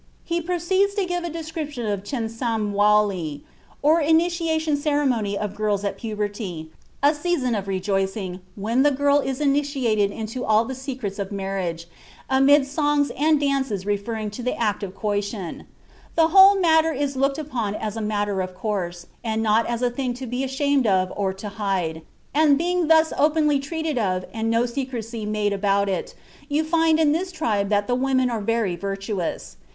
He proceeds to give a description of the chensamwali, or initiation ceremony of girls at puberty, a season of rejoicing when the girl is initiated into all the secrets of marriage, amid songs and dances referring to the act of coition. "The whole matter is looked upon as a matter of course, and not as a thing to be ashamed of or to hide, and, being thus openly treated of and no secrecy made about it, you find in this tribe that the women are very virtuous.